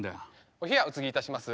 お冷やおつぎいたします。